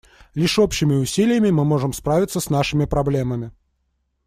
Лишь общими усилиями мы можем справиться с нашими проблемами.